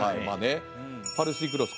パルスイクロス